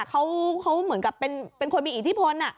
เขาเหมือนกับเป็นคนมีอิทธิพล